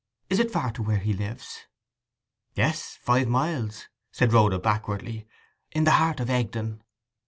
Is it far to where he lives?' 'Yes—five miles,' said Rhoda backwardly. 'In the heart of Egdon.